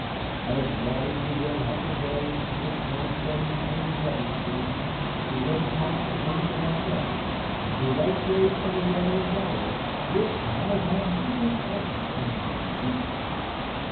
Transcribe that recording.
I have watered the red huckleberry, the sand cherry and the nettle tree, the red pine and the black ash, the white grape and the yellow violet, which might have withered else in dry seasons.